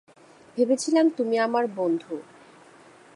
ভেবেছিলাম তুমি আমার বন্ধু।